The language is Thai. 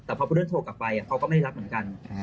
แต่พอภูเดิ้ลโทรกลับไปเขาก็ไม่ได้รับเหมือนกัน